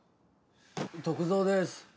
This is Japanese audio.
篤蔵です